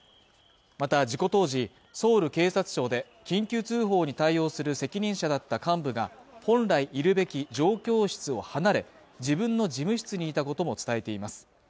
また事故当時ソウル警察庁で緊急通報に対応する責任者だった幹部が本来いるべき状況室を離れ自分の事務室にいたことも伝えています